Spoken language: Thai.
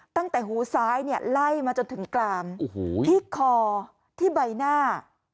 ตั้งแต่หูซ้ายเนี่ยไล่มาจนถึงกลางที่คอที่ใบหน้า